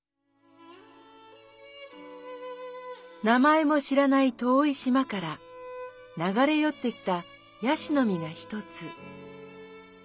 「名前も知らない遠い島から流れ寄ってきた椰子の実が一つ。